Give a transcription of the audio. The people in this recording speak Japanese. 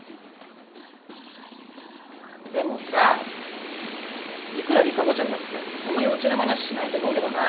でもさいくら里紗子ちゃんだってそんな幼稚なまねはしないと思うけどな。